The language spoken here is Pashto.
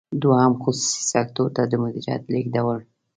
دوهم: خصوصي سکتور ته د مدیریت لیږدول.